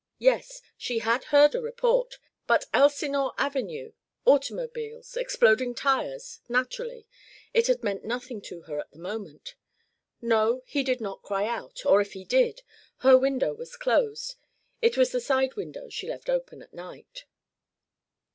Yes, she had heard a report, but Elsinore Avenue automobiles exploding tires naturally, it had meant nothing to her at the moment. No, he did not cry out or if he did her window was closed; it was the side window she left open at night.